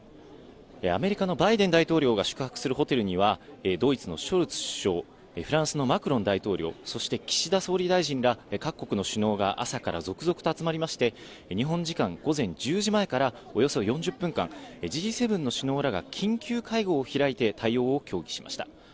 アメリカのバイデン大統領は宿泊するホテルにはドイツのショルツ首相、フランスのマクロン大統領、そして岸田総理大臣ら各国の首脳が朝から続々と集まりまして、日本時間の午前１０時前からおよそ４０分間、Ｇ７の首脳らが緊急会合を開いて対応を協議しました。